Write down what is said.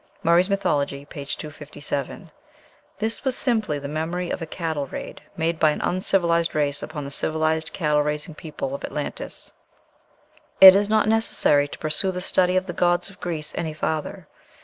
(Murray's "Mythology," p. 257.) This was simply the memory of a cattle raid made by an uncivilized race upon the civilized, cattle raising people of Atlantis. It is not necessary to pursue the study of the gods of Greece any farther.